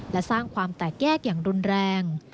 และสร้างความแตกแยกอย่างรุนแรง